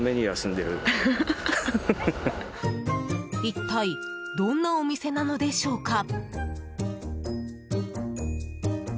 一体どんなお店なのでしょうか？